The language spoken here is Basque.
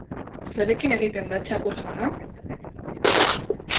Zerekin egiten da txakur-jana?